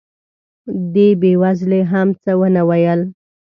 دې بې وزلې هم څه ونه ویل.